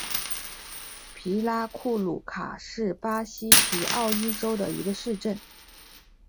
皮拉库鲁卡是巴西皮奥伊州的一个市镇。